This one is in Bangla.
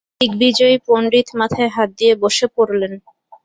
দিগ্বিজয়ী পণ্ডিত মাথায় হাত দিয়ে বসে পড়লেন।